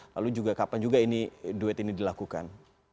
lalu juga kapan juga duet ini dilakukan